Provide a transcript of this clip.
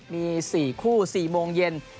มี๔คู่๔โมงเย็น